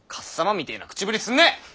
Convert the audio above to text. みてぇな口ぶりすんな。